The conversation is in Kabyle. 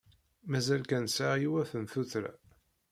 Mazal kan sɛiɣ yiwet n tuttra.